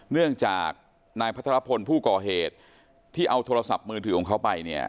เนื่องจากนายพัทรพลผู้ก่อเหตุที่เอาโทรศัพท์มือถือของเขาไปเนี่ย